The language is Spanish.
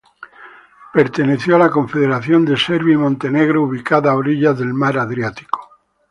Perteneció a la confederación de Serbia y Montenegro ubicada a orillas del mar Adriático.